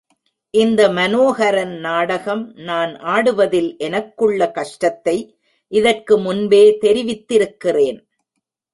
இந்த மனோஹரன் நாடகம் நான் ஆடுவதில் எனக்குள்ள கஷ்டத்தை இதற்கு முன்பே தெரிவித்திருக்கிறேன்.